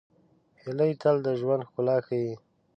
هیلۍ تل د ژوند ښکلا ښيي